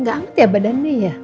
gak hangat ya badannya ya